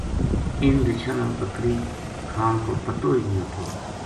اِنھ رچھاں نا بکری کھان کو پتو ہی نیہہ ہوتو